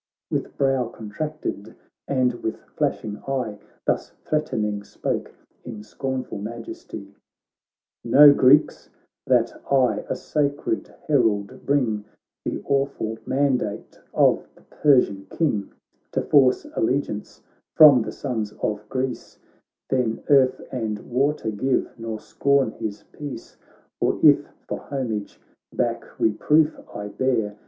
With brow contracted and with flashing eye Thus threatening spoke, in scornful majesty :' Know Greeks that I, a sacred herald, bring The awful mandate of the Persian King, To force allegiance from the sons of Greece ; Then earth and water give, nor scorn hisi peace. For if, for homage, back reproof I bear.